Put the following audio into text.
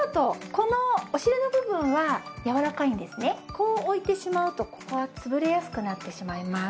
こう置いてしまうとここが潰れやすくなってしまいます。